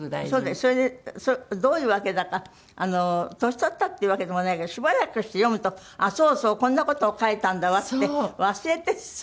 それでどういうわけだか年取ったっていうわけでもないけどしばらくして読むとそうそうこんな事を書いたんだわって忘れてるでしょ？